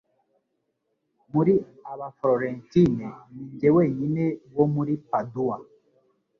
Muri aba Florentine Ninjye wenyine wo muri Padua